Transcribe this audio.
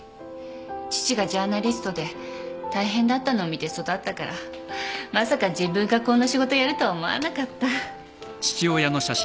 父がジャーナリストで大変だったのを見て育ったからまさか自分がこんな仕事やるとは思わなかった。